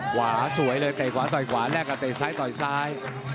ขวาสวยเลยเตะขวาต่อยขวาแลกกับเตะซ้ายต่อยซ้าย